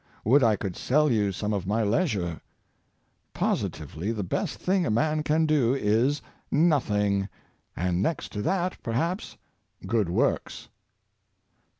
'^^'"^ Would I could sell you some of my leisure ! Positively the best thing a man can do is — nothing; and next to that, perhaps. Good Works."